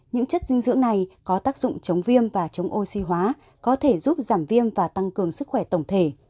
những chất dinh dưỡng này có tác dụng chống viêm và chống oxy hóa có thể giúp giảm viêm và tăng cường sức khỏe tổng thể